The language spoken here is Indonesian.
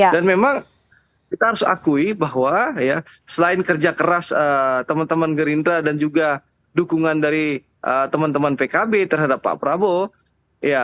memang kita harus akui bahwa selain kerja keras teman teman gerindra dan juga dukungan dari teman teman pkb terhadap pak prabowo